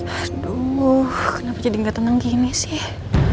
aduh kenapa jadi nggak tenang gini sih